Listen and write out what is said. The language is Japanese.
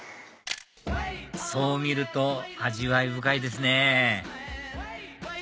そう見ると味わい深いですね